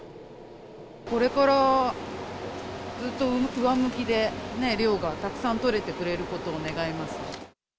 これからずっと上向きで、量がたくさん取れてくれることを願います。